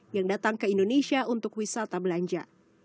yang datang ke indonesia untuk wisata belanja